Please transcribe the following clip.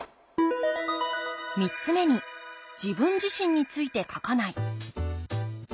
３つ目に「自分自身について書かない」。